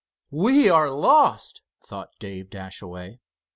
"We are lost!" thought Dave Dashaway.